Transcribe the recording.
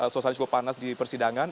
suasana juga panas di persidangan